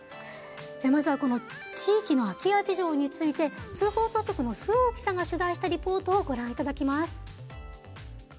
まずは地域の空き家事情について津放送局の周防記者が取材した映像をご覧いただきます。